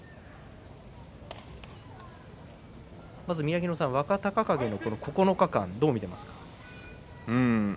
宮城野さん、若隆景の９日間どう見ていますか。